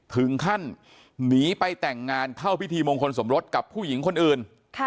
ถึงขั้นหนีไปแต่งงานเข้าพิธีมงคลสมรสกับผู้หญิงคนอื่น